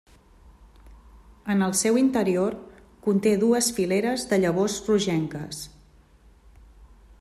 En el seu interior conté dues fileres de llavors rogenques.